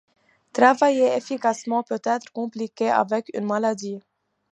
Travailler efficacement peut être compliqué avec une maladie.